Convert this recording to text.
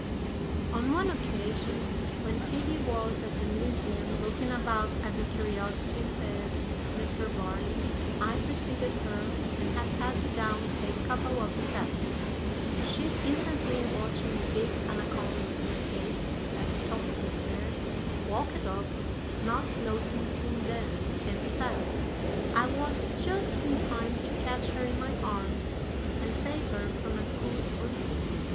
"'On one occasion, when Phoebe was at the Museum looking about at the curiosities,' says Mr. Barnum, 'I preceded her and had passed down a couple of steps. She, intently watching a big anaconda in a case at the top of the stairs, walked off, not noticing them, and fell. I was just in time to catch her in my arms and save her from a good bruising'.